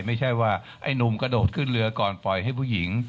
ไม่ใช่ว่าไอ้หนุ่มกระโดดขึ้นเรือก่อนปล่อยให้ผู้หญิง